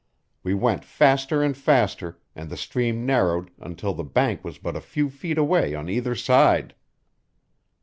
We went faster and faster, and the stream narrowed until the bank was but a few feet away on either side.